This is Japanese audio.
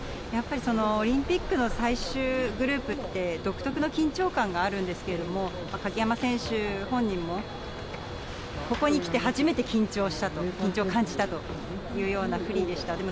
やっぱりオリンピックの最終グループって、独特の緊張感があるんですけれども、鍵山選手本人も、ここにきて初めて緊張したと、緊張を感じたというようなフリーでした。